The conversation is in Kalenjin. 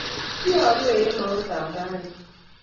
Isiarue kemout ap rani